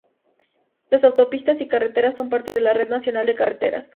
Las autopistas y carreteras son parte de la red nacional de carreteras.